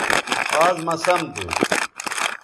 آز مہ سم تھو